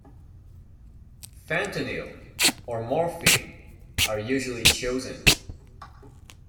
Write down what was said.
Fentanyl or morphine are usually chosen.